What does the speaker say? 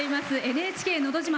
「ＮＨＫのど自慢」。